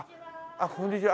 あっこんにちは。